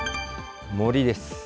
森です。